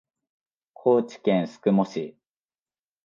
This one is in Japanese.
高知県宿毛市